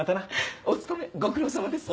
お勤めご苦労さまです。